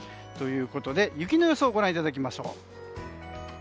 ということで雪の予想をご覧いただきましょう。